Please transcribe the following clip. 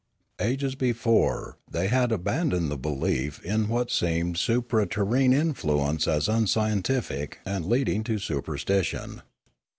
Ages before, they had abandoned the belief in what seemed supra terrene influence as unscientific and lead Discoveries 307 ing to superstition.